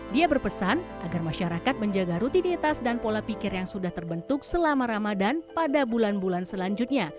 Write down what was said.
dia berpesan agar masyarakat menjaga rutinitas dan pola pikir yang sudah terbentuk selama ramadan pada bulan bulan selanjutnya